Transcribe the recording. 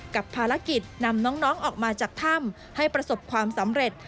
กับภารกิจนำน้องออกมาจากถ้ำให้ประสบความสำเร็จ